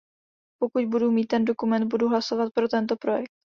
Pokud budu mít ten dokument, budu hlasovat pro tento projekt.